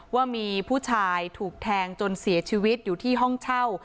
ว่ามีผู้ชายถูกแทงจนเสียชีวิตอยู่ที่ห้องเช่า